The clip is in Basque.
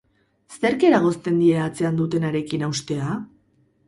Zerk eragozten die atzean dutenarekin haustea?